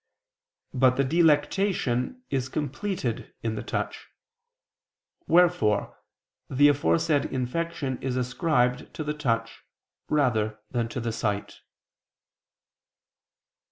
But the delectation is completed in the touch. Wherefore the aforesaid infection is ascribed to the touch rather than to the sight.